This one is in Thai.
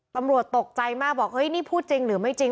ตำรวจตกใจมากบอกนี่พูดจริงหรือไม่จริง